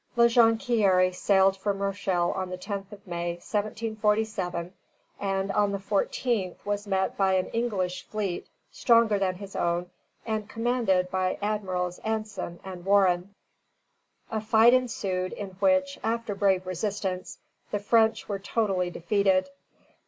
La Jonquière sailed from Rochelle on the 10th of May, 1747, and on the 14th was met by an English fleet stronger than his own and commanded by Admirals Anson and Warren. A fight ensued, in which, after brave resistance, the French were totally defeated.